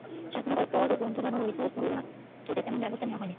স্বাধীনতার পরও গ্রন্থাগারের হারানো ঐতিহ্য পুনরুদ্ধারের তেমন ব্যবস্থা নেয়া হয়নি।